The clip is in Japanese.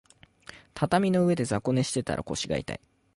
畳の上で雑魚寝してたら腰が痛い